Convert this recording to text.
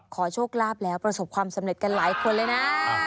ขอโชคลาภแล้วประสบความสำเร็จกันหลายคนเลยนะ